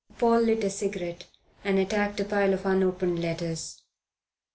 Paul lit a cigarette and attacked a pile of unopened letters.